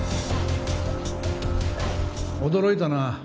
驚いたな。